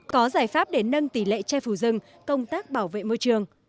có giải pháp để nâng tỷ lệ che phù dưng công tác bảo vệ môi trường